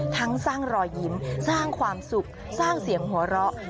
สร้างรอยยิ้มสร้างความสุขสร้างเสียงหัวเราะ